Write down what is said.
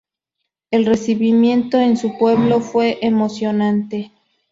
El recibimiento en su pueblo fue emocionante.